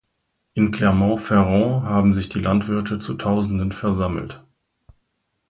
In Clermont-Ferrand haben sich die Landwirte zu Tausenden versammelt.